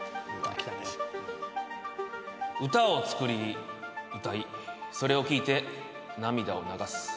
歌を作り歌いそれを聴いて涙を流す。